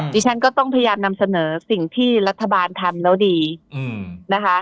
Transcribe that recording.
ดิฉันก็ต้องพยายามนำเสนอสิ่งที่รัฐบาลทำแล้วดีนะคะ